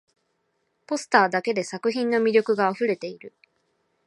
ポスターだけで作品の魅力があふれている